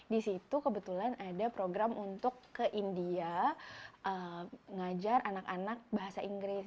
di situ kebetulan ada program untuk ke india ngajar anak anak bahasa inggris